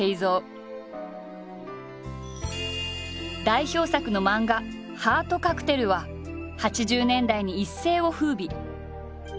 代表作の漫画「ハートカクテル」は８０年代に一世を風靡。